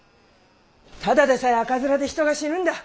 ただでさえ赤面で人が死ぬんだ。